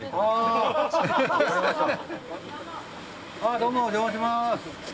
どうも、お邪魔します。